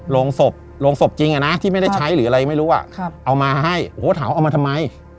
โรงศพจริงที่ไม่ได้ใช้หรืออะไรไม่รู้เอามาให้ถามเอามาทำไม